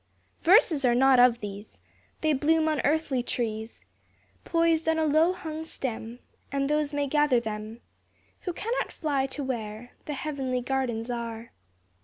Verses are not of these; They bloom on earthly trees, Poised on a low hung stem, And those may gather them Who cannot fly to where The heavenly gardens are.